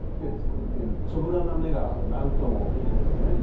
つぶらな目がなんともいいですよね。